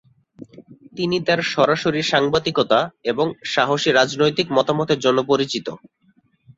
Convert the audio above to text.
তিনি তার সরাসরি সাংবাদিকতা এবং সাহসী রাজনৈতিক মতামতের জন্য পরিচিত।